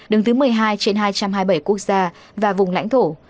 đứng thứ một mươi hai trên hai trăm hai mươi bảy quốc gia và vùng lãnh thổ